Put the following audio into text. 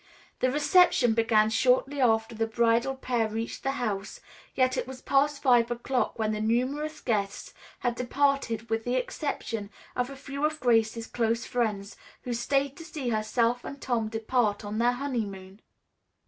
The reception began shortly after the bridal pair reached the house, yet it was past five o'clock when the numerous guests had departed with the exception of a few of Grace's close friends, who stayed to see herself and Tom depart on their honeymoon.